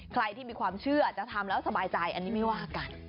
ใครที่มีความเชื่อจะทำแล้วสบายใจอันนี้ไม่ว่ากัน